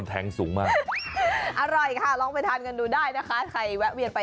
เพราะว่าโดนตะเกียบติ้มเข้าไป